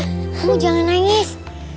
kamu jangan nangis